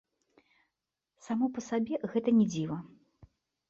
Само па сабе гэта не дзіва.